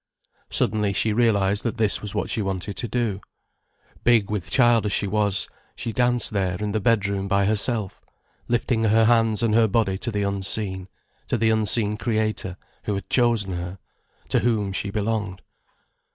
Suddenly she realized that this was what she wanted to do. Big with child as she was, she danced there in the bedroom by herself, lifting her hands and her body to the Unseen, to the unseen Creator who had chosen her, to Whom she belonged.